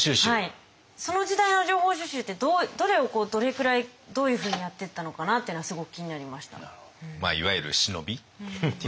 その時代の情報収集ってどれをどれくらいどういうふうにやってったのかなっていうのはすごく気になりました。